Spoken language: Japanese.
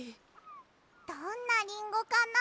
どんなリンゴかな。